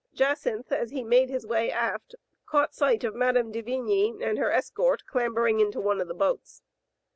Jacynth, as he made his way aft, caught sight of Mme. de Vigny and her escort clambering into one of the boats.